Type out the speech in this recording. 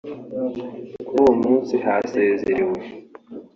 Kuri uwo munsi hasezerewe